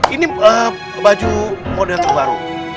ini baju model terbaru